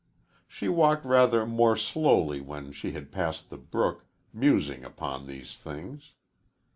She walked rather more slowly when she had passed the brook musing upon these things.